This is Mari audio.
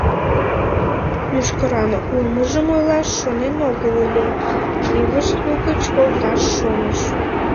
Мӱшкыран улмыжым ойлаш шонен огыл ыле, йывышт лугыч колташ шоныш...